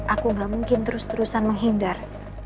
aku gak mungkin terus terusan menghindar